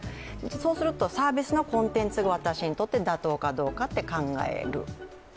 そうするとサービスのコンテンツが私にとって妥当かどうかと考える。